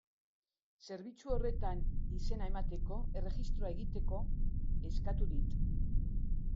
Zerbitzu horretan izena emateko, erregistroa egiteko, eskatu dit.